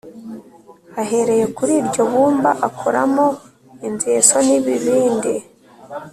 ahereye kuri iryo bumba, akoramo inzeso n’ibibindi